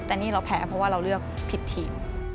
แต่นี่เราแพ้เพราะว่าเราเลือกผิดทีม